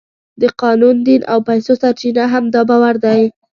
د قانون، دین او پیسو سرچینه هم دا باور دی.